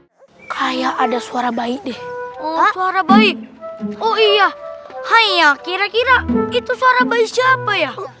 hai kaya ada suara bayi deh suara bayi oh iya hanya kira kira itu suara bayi siapa ya